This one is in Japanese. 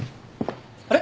あれ？